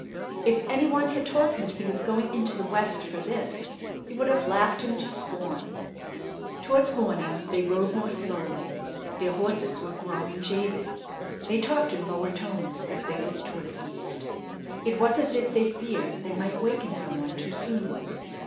If any one had told him he was going into the West for this, he would have laughed him to scorn. Towards morning they rode more slowly. Their horses were growing jaded. They talked in lower tones as they looked toward the east. It was as if they feared they might waken some one too soon.